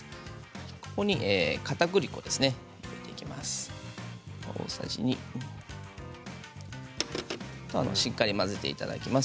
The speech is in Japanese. ここに、かたくり粉を入れていきます。